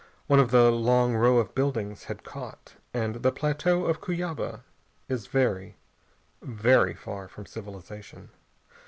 One of the long row of buildings had caught. And the plateau of Cuyaba is very, very far from civilization.